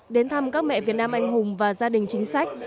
đến thăm các mẹ việt nam anh hùng và gia đình chính sách